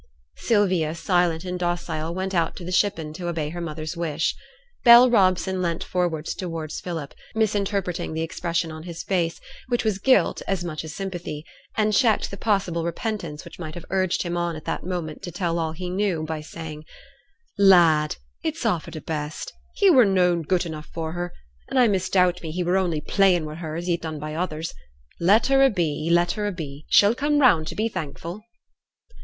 Sylvia, silent and docile, went out to the shippen to obey her mother's wish. Bell Robson leant forward towards Philip, misinterpreting the expression on his face, which was guilt as much as sympathy, and checked the possible repentance which might have urged him on at that moment to tell all he knew, by saying, 'Lad! it's a' for t' best. He were noane good enough for her; and I misdoubt me he were only playin' wi' her as he'd done by others. Let her a be, let her a be; she'll come round to be thankful.'